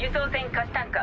カシュタンカ。